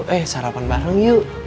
eh sarapan bareng yuk